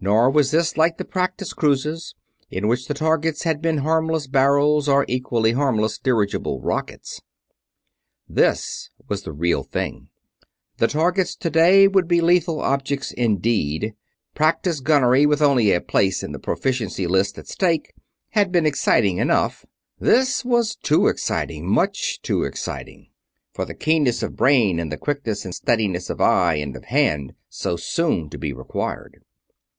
Nor was this like the practice cruises, in which the targets had been harmless barrels or equally harmless dirigible rockets. This was the real thing; the targets today would be lethal objects indeed. Practice gunnery, with only a place in the Proficiency List at stake, had been exciting enough: this was too exciting much too exciting for the keenness of brain and the quickness and steadiness of eye and of hand so soon to be required.